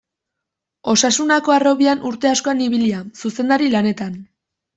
Osasunako harrobian urte askoan ibilia, zuzendari lanetan.